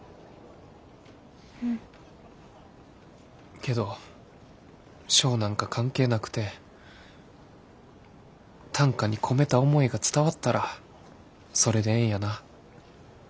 けど賞なんか関係なくて短歌に込めた思いが伝わったらそれでええんやな。